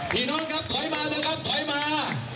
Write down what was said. พี่น้องครับถอยมาเถอะครับถอยมา